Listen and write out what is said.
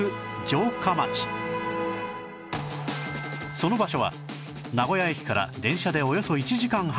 その場所は名古屋駅から電車でおよそ１時間半